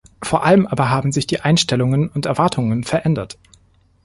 Vor allem aber haben sich die Einstellungen und Erwartungen verändert.